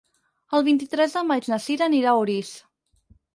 El vint-i-tres de maig na Cira anirà a Orís.